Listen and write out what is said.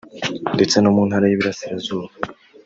ndetse no mu ntara y’uburasirazuba